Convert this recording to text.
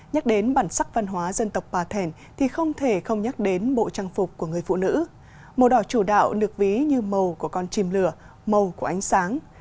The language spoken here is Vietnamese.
nhắc đến bản sắc văn hóa dân tộc bà thẻn thì không thể không nhắc đến bộ trang phục của người phụ nữ màu đỏ chủ đạo được ví như màu của con chim lửa màu của ánh sáng